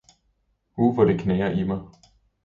Uh, hvor det knager i mig!